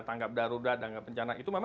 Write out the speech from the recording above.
tanggap darurat bencana itu memang